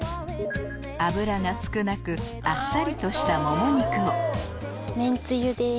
脂が少なくあっさりとしたモモ肉をめんつゆです。